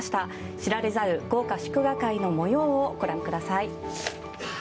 知られざる豪華祝賀会の模様をご覧ください。